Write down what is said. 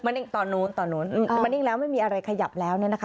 นิ่งตอนนู้นตอนนู้นมันนิ่งแล้วไม่มีอะไรขยับแล้วเนี่ยนะคะ